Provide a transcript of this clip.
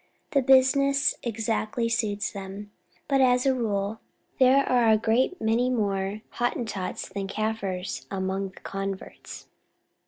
The business exactly suits them, but as a rule there are a great many more Hottentots than Kaffirs among the converts.